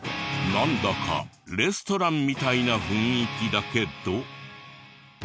なんだかレストランみたいな雰囲気だけど。